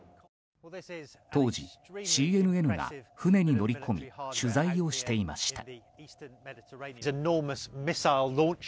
当時、ＣＮＮが船に乗り込み取材をしていました。